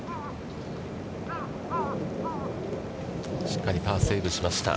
しっかりパーセーブしました。